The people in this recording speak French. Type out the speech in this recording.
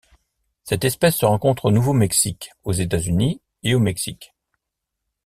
Cette espèce se rencontre au Nouveau-Mexique aux États-Unis et au Mexique.